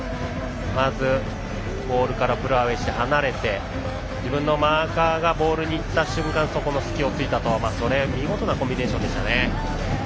まずゴールからプルアウェー離れて、自分のマーカーからボールにいってそこから隙を突いた見事なコンビネーションでした。